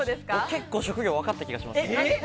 結構、職業わかった気がします。